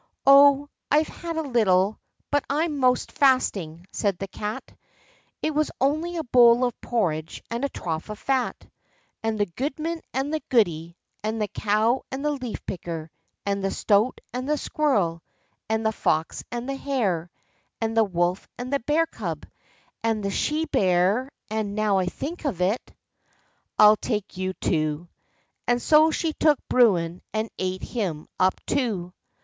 "Oh, I've had a little, but I'm 'most fasting," said the Cat; "it was only a bowl of porridge, and a trough of fat, and the goodman, and the goody, and the cow, and the leaf picker, and the stoat, and the squirrel, and the fox, and the hare, and the wolf, and the bear cub, and the she bear—and, now I think of it, I'll take you too," and so she took Bruin and ate him up too.